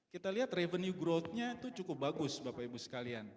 kita lihat revenue growth nya itu cukup bagus bapak ibu sekalian